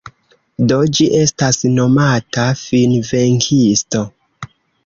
Do ĝi estas nomata Finvenkisto.